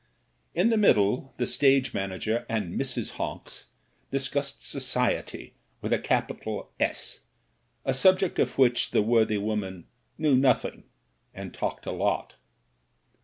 In the middle the stage manager and Mrs. Honks dis cussed Society, with a capital "S" — a subject of which the worthy woman knew nothing and talked a lot.